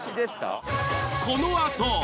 このあと。